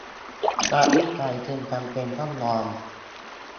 นักวิจัยจึงจำเป็นต้องยอม